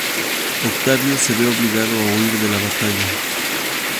Octavius se ve obligado a huir de la batalla.